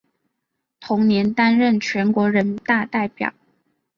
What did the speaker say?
同年担任全国人大代表。